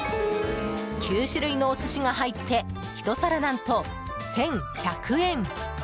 ９種類のお寿司が入ってひと皿、何と１１００円。